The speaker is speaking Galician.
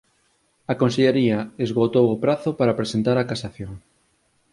A consellería esgotou o prazo para presentar a casación.